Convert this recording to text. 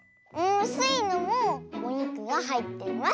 スイのもおにくがはいってます！